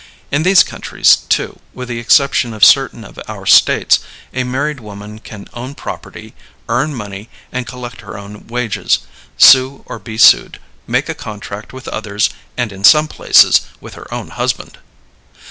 In these countries, too, with the exception of certain of our States, a married woman can own property, earn money, and collect her own wages, sue or be sued, make a contract with others, and in some places with her own husband.